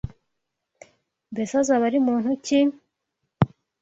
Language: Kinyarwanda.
Mbese azaba ari muntu ki